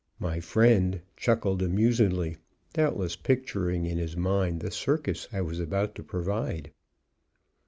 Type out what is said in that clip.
My "friend" chuckled amusedly, doubtless picturing in his mind the circus I was about to provide.